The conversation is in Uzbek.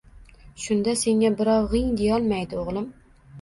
Shunda senga birov g`ing deyolmaydi, o`g`lim